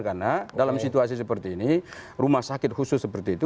karena dalam situasi seperti ini rumah sakit khusus seperti itu